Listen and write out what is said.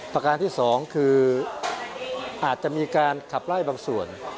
ประการที่สองคืออาจจะมีการขับไล่บางส่วน